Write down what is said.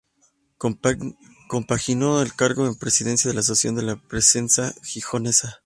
Compaginó este cargo con la presidencia de la Asociación de la Prensa Gijonesa.